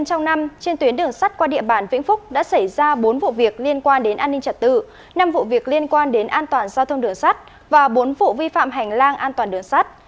trong năm trên tuyến đường sắt qua địa bàn vĩnh phúc đã xảy ra bốn vụ việc liên quan đến an ninh trật tự năm vụ việc liên quan đến an toàn giao thông đường sắt và bốn vụ vi phạm hành lang an toàn đường sắt